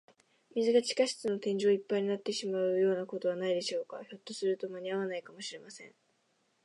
水が地下室の天井までいっぱいになってしまうようなことはないでしょうか。ひょっとすると、まにあわないかもしれません。